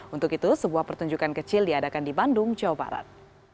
untuk itu sebuah pertunjukan kecil diadakan di bandung jawa barat